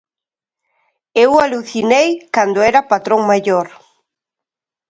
Eu alucinei cando era patrón maior.